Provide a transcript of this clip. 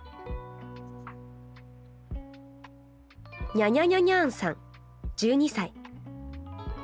にゃにゃにゃにゃーんさん１２歳。